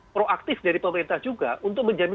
proaktif dari pemerintah juga untuk menjamin